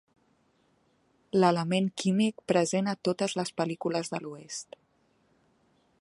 L'element químic present a totes les pel·lícules de l'oest.